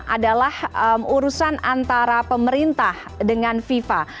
adalah urusan antara pemerintah dengan fifa